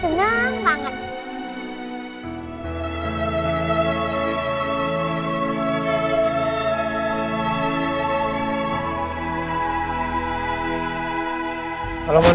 kalau mau nambah silakan pak bimani